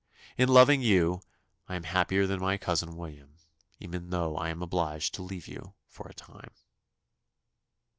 In loving you, I am happier than my cousin William; even though I am obliged to leave you for a time.